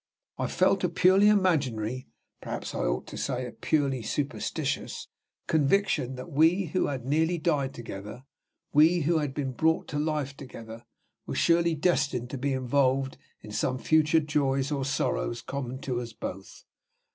I felt a purely imaginary (perhaps I ought to say, a purely superstitious) conviction that we who had nearly died together, we who had been brought to life together, were surely destined to be involved in some future joys or sorrows common to us both.